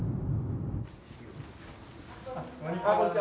こんにちは。